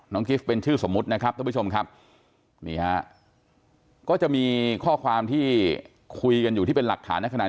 น้องกิฟต์เป็นชื่อสมมุตินะครับทุกผู้ชมครับก็จะมีข้อความที่คุยกันอยู่ที่เป็นหลักฐาน